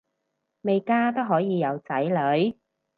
未嫁都可以有仔女